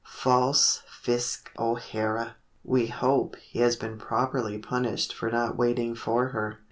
'" False Fisk O'Hara! We hope he has been properly punished for not waiting for her.